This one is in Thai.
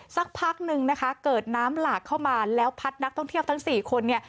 สักพักนึงนะคะเกิดน้ำหลากเข้ามาแล้วพัดนักท่องเที่ยวทั้ง๔คนเนี่ย